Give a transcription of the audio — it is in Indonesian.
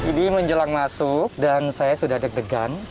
jadi menjelang masuk dan saya sudah deg degan